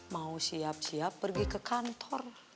mau siap siap pergi ke kantor